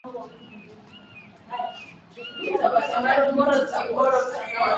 wazazi wengine wajadiliane na watoto wao kuhusu mahusiano